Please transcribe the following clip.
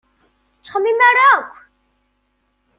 Ur ttxemmim ara akk.